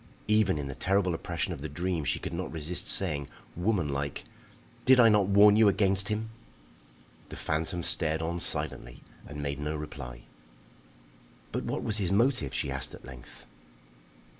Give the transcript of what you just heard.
Even in the terrible oppression of the dream she could not resist saying, woman like: "Did I not warn you against him?" The phantom stared on silently and made no reply. "But what was his motive?" she asked at length.